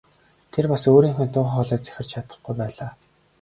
Тэр бас өөрийнхөө дуу хоолойг захирч чадахгүй байлаа.